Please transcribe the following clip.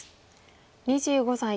２５歳。